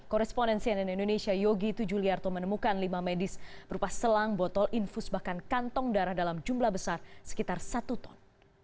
koresponen cnn indonesia yogi tujuliarto menemukan limbah medis berupa selang botol infus bahkan kantong darah dalam jumlah besar sekitar satu ton